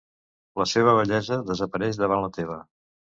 La seva bellesa desapareix davant la teva.